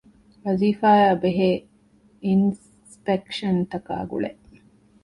ވަޒީފާއާބެހޭ އިންސްޕެކްޝަންތަކާއި ގުޅޭ